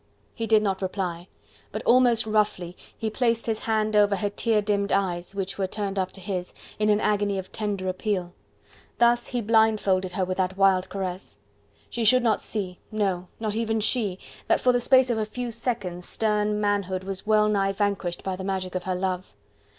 He did not reply, but, almost roughly, he placed his hand over her tear dimmed eyes, which were turned up to his, in an agony of tender appeal. Thus he blindfolded her with that wild caress. She should not see no, not even she! that for the space of a few seconds stern manhood was well nigh vanquished by the magic of her love.